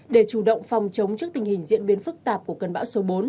để chủ động phòng chống trước tình hình diễn biến phức tạp của cơn bão số bốn